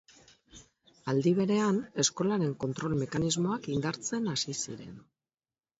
Aldi berean, eskolaren kontrol mekanismoak indartzen hasi ziren.